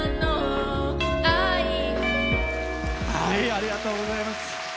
ありがとうございます。